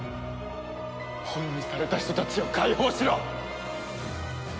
本にされた人たちを解放しろ！